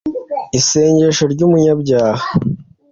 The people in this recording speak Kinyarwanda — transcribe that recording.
‘Isengesho ry’umunyabyaha